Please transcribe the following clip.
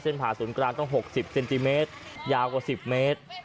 ผ่าศูนย์กลางต้อง๖๐เซนติเมตรยาวกว่า๑๐เมตร